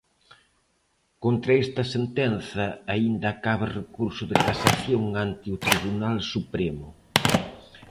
Contra esta sentenza aínda cabe recurso de casación ante o Tribunal Supremo.